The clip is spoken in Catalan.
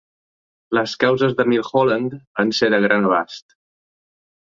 Les causes de Milholland van ser de gran abast.